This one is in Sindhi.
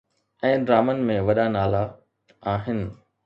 ۽ ڊرامن ۾ وڏا نالا آهن